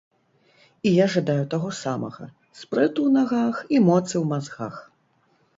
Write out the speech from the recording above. І я жадаю таго самага, спрыту ў нагах і моцы ў мазгах.